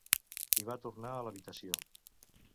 I va tornar a l'habitació.